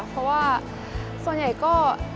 เพราะว่าส่วนใหญ่ก็